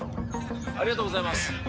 ありがとうございます